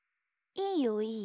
いいよいいよ。